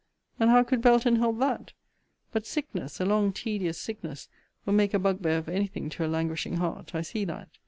And how could Belton help that? But sickness, a long tedious sickness, will make a bugbear of any thing to a languishing heart, I see that.